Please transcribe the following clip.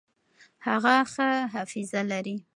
هغه ښه حافظه لري.